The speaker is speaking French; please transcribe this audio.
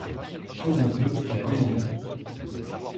Causons peu mais causons bien.